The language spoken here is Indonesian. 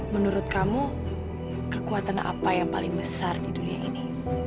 menurut kamu kekuatan apa yang paling besar di dunia ini